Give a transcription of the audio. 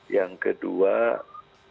yang kedua bagiannya